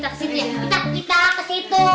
kita kesitu ya